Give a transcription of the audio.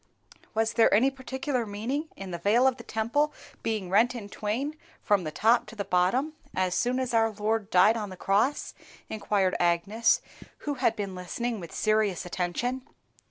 "Was there any particular meaning in the veil of the Temple being rent in twain from the top to the bottom, as soon as our Lord died on the cross?" inquired Agnes, who had been listening with serious attention.